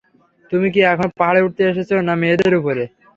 তুমি কি এখানে পাহাড়ে উঠতে এসেছ না মেয়েদের উপরে?